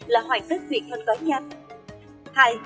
là hoàn tất việc hân tói nhanh